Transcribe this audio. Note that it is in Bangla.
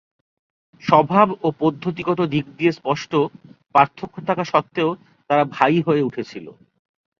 স্বভাব ও পদ্ধতিগত দিক দিয়ে স্পষ্ট পার্থক্য থাকা সত্ত্বেও, তারা ভাই হয়ে উঠেছিল।